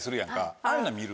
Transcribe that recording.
ああいうのは見る？